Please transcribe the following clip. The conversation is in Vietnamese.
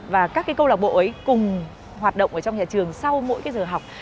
và các cái câu lạc bộ ấy cùng hoạt động ở trong nhà trường sau mỗi cái giờ học